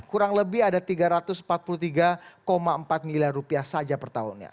kurang lebih ada tiga ratus empat puluh tiga empat miliar rupiah saja per tahunnya